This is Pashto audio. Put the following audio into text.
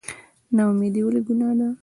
نااميدي ولې ګناه ده؟